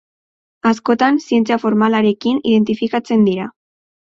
Askotan zientzia formalarekin identifikatzen dira.